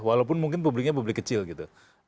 walaupun mungkin publiknya publik kecil gitu